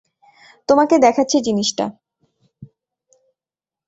তোমাকে দেখাচ্ছি জিনিসটা।